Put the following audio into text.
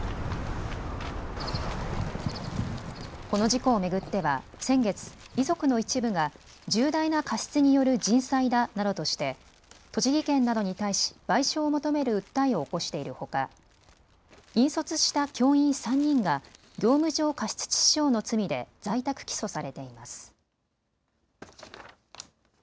この事故を巡っては、先月遺族の一部が重大な過失による人災だなどとして栃木県などに対し賠償を求める訴えを起こしているほか引率した教員３人が、業務上過失致死傷の罪で在宅起訴されています。